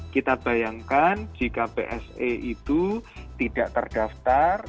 kita bayangkan jika pse itu tidak terdaftar